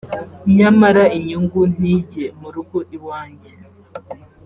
nyamara inyungu ntijye mu rugo iwanjye